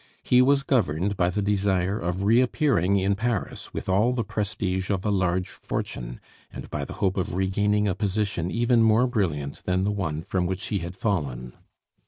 He was governed by the desire of reappearing in Paris with all the prestige of a large fortune, and by the hope of regaining a position even more brilliant than the one from which he had fallen.